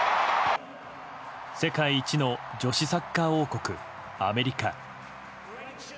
世界一の女子サッカー王国アメリカ。